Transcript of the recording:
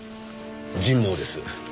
人毛です。